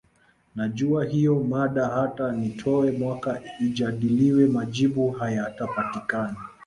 Najua hiyo mada hata nitowe mwaka ijadiliwe majibu hayatapatikana